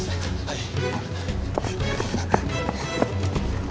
はい。